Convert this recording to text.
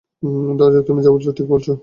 ধরা যাক তুমি যা বলছো ঠিক বলছো।